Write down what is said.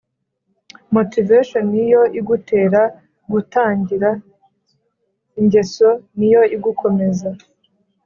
motivation niyo igutera gutangira ingeso niyo igukomeza